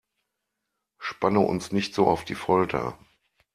Spanne uns nicht so auf die Folter!